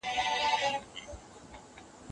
نړیوالي ادارې د غلامۍ د ختمولو لپاره هڅي کوي.